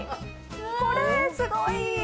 これすごい！